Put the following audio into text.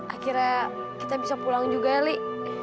akhirnya kita bisa pulang juga li